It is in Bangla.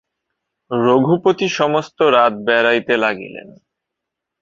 রঘুপতি সমস্ত রাত বেড়াইতে লাগিলেন।